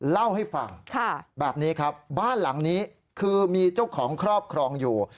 เล่าให้ฟังแบบนี้ครับบ้านหลังนี้คือมีเจ้าของครอบครองอยู่